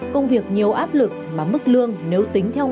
công việc nhiều áp lực mà mức lương nếu tính theo